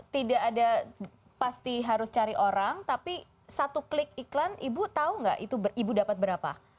tidak ada pasti harus cari orang tapi satu klik iklan ibu tahu nggak ibu dapat berapa